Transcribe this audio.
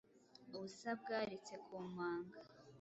Ubusa bwaritse ku manga